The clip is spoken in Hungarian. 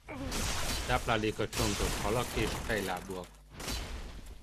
Tápláléka csontos halak és fejlábúak.